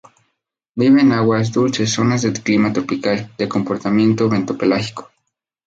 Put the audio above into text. Vive en agua dulce zonas de clima tropical, de comportamiento bentopelágico.